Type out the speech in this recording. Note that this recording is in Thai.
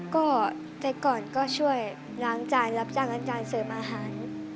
ก็แต่ก่อนก็ช่วยล้างจานรับจ้างล้างจานเสริมอาหาร